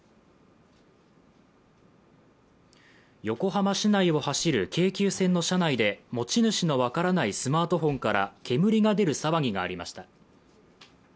横浜市内を走る京急線の車内で持ち主の分からないスマートフォンから煙が出る騒ぎがありました。